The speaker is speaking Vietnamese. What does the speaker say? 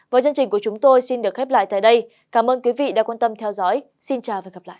với chương trình của chúng tôi xin được khép lại tại đây cảm ơn quý vị đã quan tâm theo dõi xin chào và hẹn gặp lại